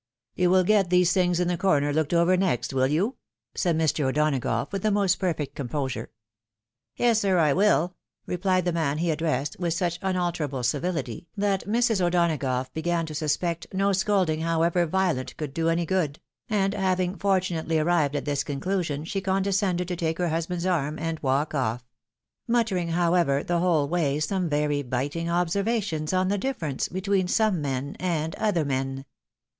" You will get these things in the corner looked over next, will you?" said Mr. O'Donagough, with the most perfect composure. " Yes, sir, I wiU," replied the man he addressed, with such imalterable civihty, that Mrs. O'Donagough began to suspect, no scolding, however violent, could do any good ; and having fortunately arrived at this conclusion, she condescended to take her husband's arm and walk off; muttering, however, the whole way some very biting observations on the difference between some men and other men.